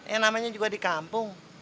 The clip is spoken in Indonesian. yang namanya juga di kampung